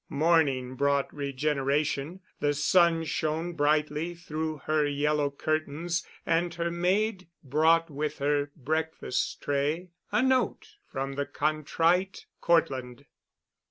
Morning brought regeneration. The sun shone brightly through her yellow curtains, and her maid brought with her breakfast tray a note from the contrite Cortland.